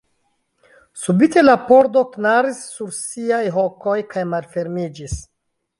Subite la pordo knaris sur siaj hokoj kaj malfermiĝis.